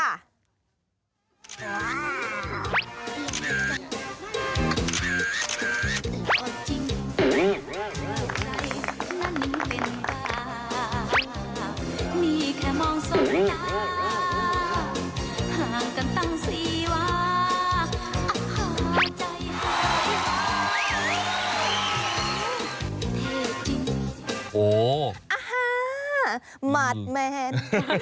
อาเฮ้หมาดแมน